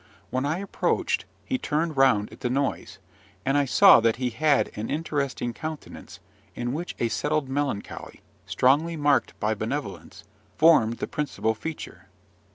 When I approached, he turned round at the noise; and I saw that he had an interesting countenance in which a settled melancholy, strongly marked by benevolence, formed the principal feature.